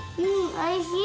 おいしい！